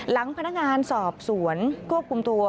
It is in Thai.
หลังพนักงานสอบสวนควบคุมตัว